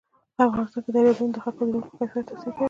په افغانستان کې دریابونه د خلکو د ژوند په کیفیت تاثیر کوي.